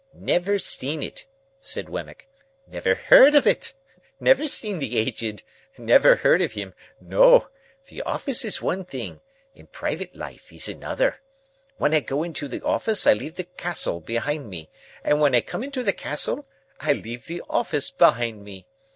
"Never seen it," said Wemmick. "Never heard of it. Never seen the Aged. Never heard of him. No; the office is one thing, and private life is another. When I go into the office, I leave the Castle behind me, and when I come into the Castle, I leave the office behind me.